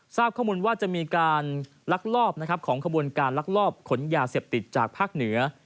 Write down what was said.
ทราบข้อมูลว่าจะมีการลักลอบของขบวนการลักลอบขนยาเสพติดจากภาคเหนือ